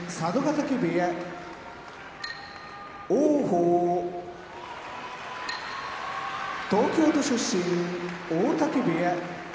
部屋王鵬東京都出身大嶽部屋